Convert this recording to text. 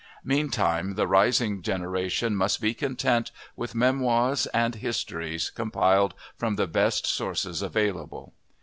Meantime the rising generation must be content with memoirs and histories compiled from the best sources available.